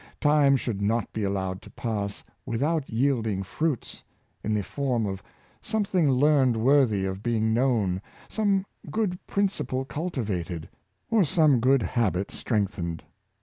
Time should not be allowed to pass without yielding fruits, in the form of something learned worthy of being known, some good principle cultivated, or some good habit strengthened.